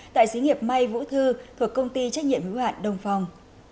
tại sĩ nghiệp may vũ thư thuộc công ty trách nhiệm hữu hạn đông phong